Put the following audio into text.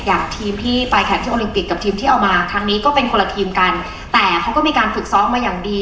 ทีมที่ไปแข่งที่โอลิมปิกกับทีมที่เอามาครั้งนี้ก็เป็นคนละทีมกันแต่เขาก็มีการฝึกซ้อมมาอย่างดี